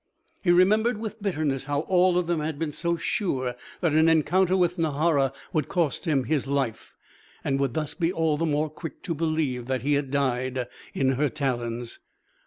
He remembered with bitterness how all of them had been sure that an encounter with Nahara would cost him his life, and would thus be all the more quick to believe he had died in her talons.